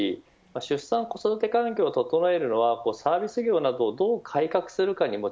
出産、子育て環境を整えるのはサービス業などをどう改革するかにも